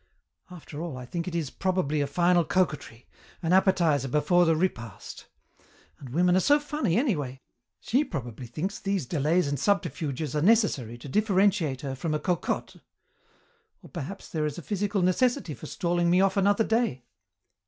"After all, I think it is probably a final coquetry, an appetizer before the repast. And women are so funny anyway! She probably thinks these delays and subterfuges are necessary to differentiate her from a cocotte. Or perhaps there is a physical necessity for stalling me off another day."